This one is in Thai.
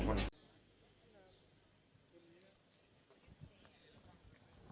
สวัสดีทุกคน